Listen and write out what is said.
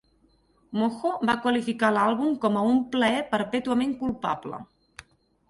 "Mojo" va qualificar l'àlbum com a "un plaer perpètuament culpable"